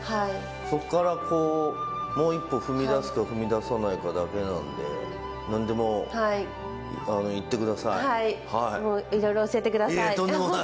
そこからもう一歩踏み出すか踏み出さないかだけなんで、なんでももういろいろ教えてください。